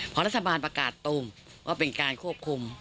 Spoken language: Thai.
พอรัฐบาลประกาศตรงว่าเป็นการควบคุม